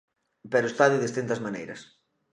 Pero está de distintas maneiras.